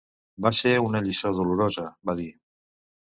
Va ser una lliçó dolorosa, va dir.